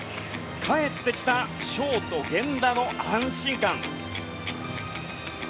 帰ってきたショート源田の安心感。